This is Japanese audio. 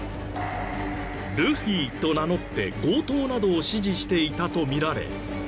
ルフィと名乗って強盗などを指示していたと見られ。